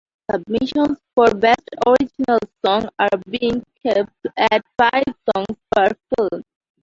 Submissions for Best Original Song are being capped at five songs per film.